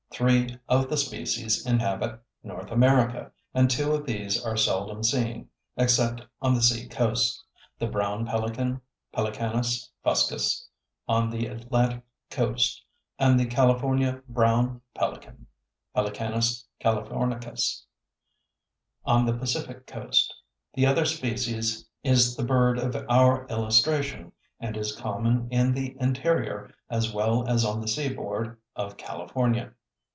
Three of the species inhabit North America and two of these are seldom seen except on the sea coasts; the brown pelican (Pelecanus fuscus) on the Atlantic coast and the California brown pelican (Pelecanus californicus) on the Pacific coast. The other species is the bird of our illustration, and is common in the interior as well as on the seaboard of California.